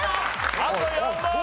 あと４問！